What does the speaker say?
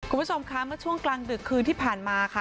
คุณผู้ชมคะเมื่อช่วงกลางดึกคืนที่ผ่านมาค่ะ